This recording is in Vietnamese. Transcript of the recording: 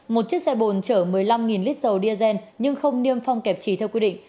một chiếc xe bồn chở một mươi năm lít dầu diesel nhưng không niêm phong kẹp trì theo quy định